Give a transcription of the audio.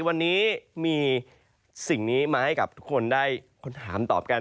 วันนี้มีสิ่งนี้มาให้กับทุกคนได้ถามตอบกัน